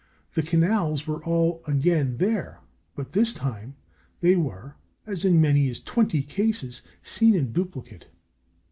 The canals were all again there, but this time they were in as many as twenty cases seen in duplicate.